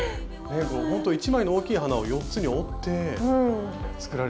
これほんと１枚の大きい花を４つに折って作られている。